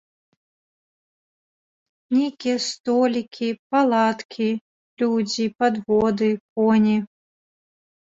Нейкія столікі, палаткі, людзі, падводы, коні.